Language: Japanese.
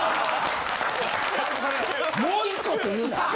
もう一個って言うな。